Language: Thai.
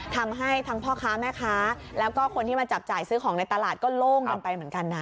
ทำให้ทั้งพ่อค้าแม่ค้าแล้วก็คนที่มาจับจ่ายซื้อของในตลาดก็โล่งกันไปเหมือนกันนะ